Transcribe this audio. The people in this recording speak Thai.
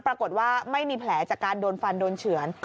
ปรากฏว่าไม่มีแผลจากการโดนฟันโดนเฉือน